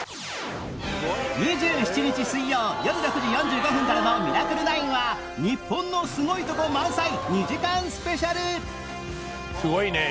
２７日水曜よる６時４５分からの『ミラクル９』は日本のすごいとこ満載２時間スペシャル！